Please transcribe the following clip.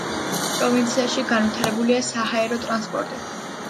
პროვინციაში განვითარებულია საჰაერო ტრანსპორტი.